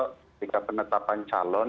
ketika penetapan calon